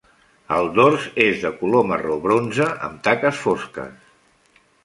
El dors és de color marró bronze, amb taques fosques.